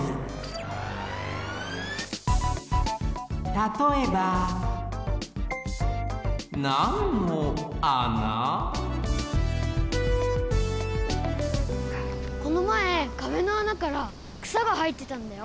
たとえばこのまえかべの穴からくさがはえてたんだよ。